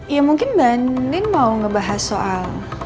ya mungkin mbak nin mau ngebahas soal